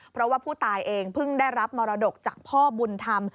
เพราะว่าผู้ตายเองเพิ่งได้รับมรดกจากพ่อบุญธรรม